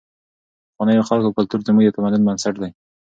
د پخوانیو خلکو کلتور زموږ د تمدن بنسټ دی.